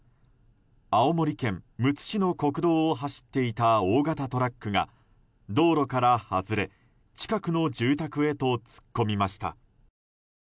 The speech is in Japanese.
青森県むつ市の国道を走っていた大型トラックが道路から外れ近くの住宅へと突っ込みました。